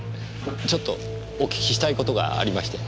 ちょっとお訊きしたい事がありまして。